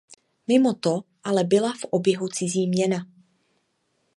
Mimo to ale byla v oběhu cizí měna.